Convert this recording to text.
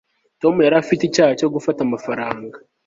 tom yari afite icyaha cyo gufata amafaranga